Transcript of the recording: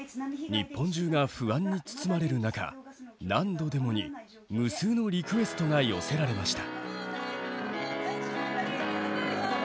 日本中が不安に包まれる中「何度でも」に無数のリクエストが寄せられました。